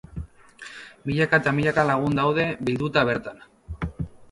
Milaka eta milaka lagun daude bilduta bertan.